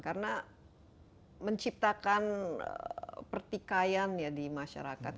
karena menciptakan pertikaian ya di masyarakat